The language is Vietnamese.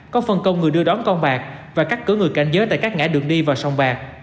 có phần công người đưa đón con bạc và cắt cử người cảnh giới tại các ngã đường đi vào sông bạc